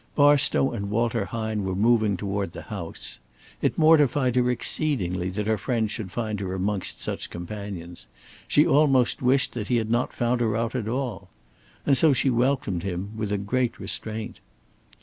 Barstow and Walter Hine were moving toward the house. It mortified her exceedingly that her friend should find her amongst such companions. She almost wished that he had not found her out at all. And so she welcomed him with a great restraint.